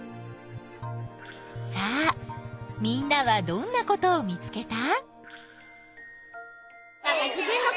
さあみんなはどんなことを見つけた？